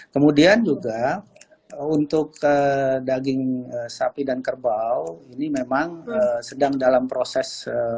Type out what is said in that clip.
kemudian juga untuk daging sapi dan kerbau ini memang sedang dalam proses